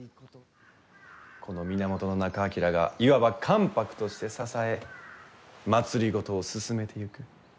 この源仲章がいわば関白として支え政を進めてゆく。